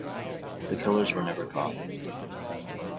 The killers were never caught.